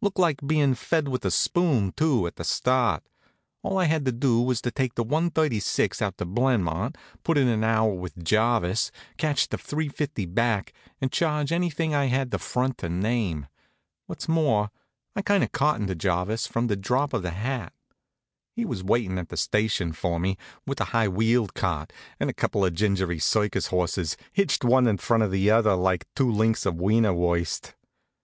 Looked like bein' fed with a spoon, too, at the start. All I had to do was to take the one thirty six out to Blenmont, put in an hour with Jarvis, catch the three fifty back, and charge anything I had the front to name. What's more, I kind of cottoned to Jarvis, from the drop of the hat. He was waitin' at the station for me, with a high wheeled cart, and a couple of gingery circus horses hitched one in front of the other like two links of wienerwurst.